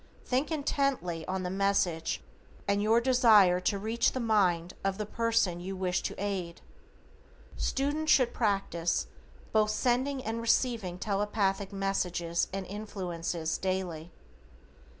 THINK INTENTLY on the message and your desire to reach the mind of the person you wish to aid. Students should practice both sending and receiving Telepathic messages and influences daily.